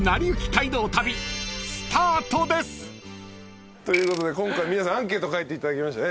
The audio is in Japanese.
［スタートです！］ということで今回皆さんアンケート書いていただきましたね。